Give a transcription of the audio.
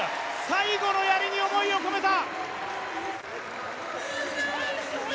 最後のやりに思いを込めた。